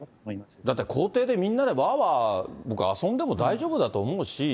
だって校庭でみんなでわーわーみんなで遊んでも大丈夫だと思うし。